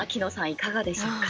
いかがでしょうか？